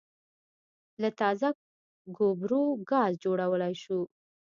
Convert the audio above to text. له تازه ګوبرو ګاز جوړولای شو